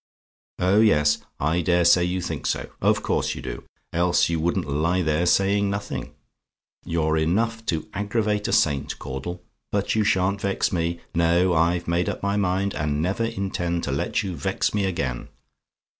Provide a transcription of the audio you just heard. Oh, yes; I dare say you think so of course you do, else you wouldn't lie there saying nothing. You're enough to aggravate a saint, Caudle; but you shan't vex me. No; I've made up my mind, and never intend to let you vex me again.